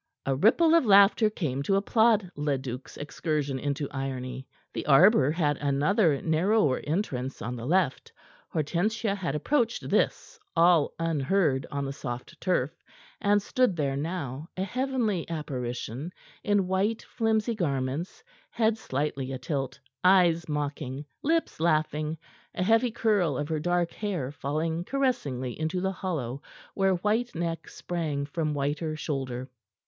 A ripple of laughter came to applaud Leduc's excursion into irony. The arbor had another, narrower entrance, on the left. Hortensia had approached this, all unheard on the soft turf, and stood there now, a heavenly apparition in white flimsy garments, head slightly a tilt, eyes mocking, lips laughing, a heavy curl of her dark hair falling caressingly into the hollow where white neck sprang from whiter shoulder.